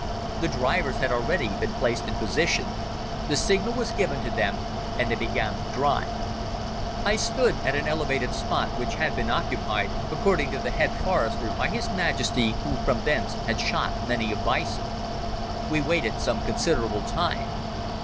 The drivers had already been placed in position. The signal was given to them and they began the drive. I stood at an elevated spot which had been occupied, according to the head forester, by His Majesty, who from thence had shot many a bison. We waited some considerable time.